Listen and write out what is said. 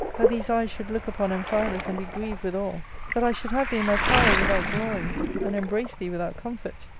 that these eyes should look upon Amphialus and be grieved withal ! that I should have thee in my power without glor>', and embrace thee without comfort